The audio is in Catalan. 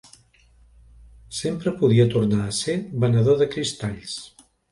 Sempre podia tornar a ser venedor de cristalls.